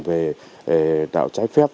về đạo trái phép